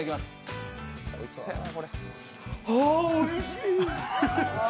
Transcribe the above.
あ、おいしい！